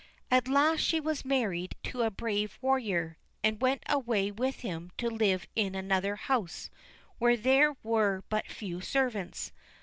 At last she was married to a brave warrior, and went away with him to live in another house where there were but few servants.